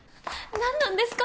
何なんですか？